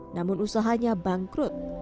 namun usahanya bangkrut